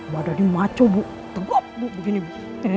badannya maco bu tegap bu begini bu